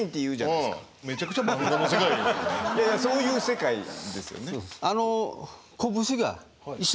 いやいやそういう世界ですよね。